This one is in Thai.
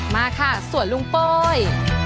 มาค่ะสวนลุงโป้ย